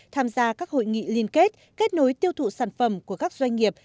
tham gia các hội nghị liên kết kết nối tiêu thụ sản phẩm của các doanh nghiệp